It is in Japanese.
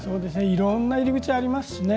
いろんな入り口がありますね。